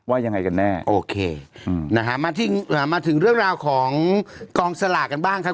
ยังไงกันแน่โอเคอืมนะฮะมาถึงเรื่องราวของกองสลากกันบ้างครับ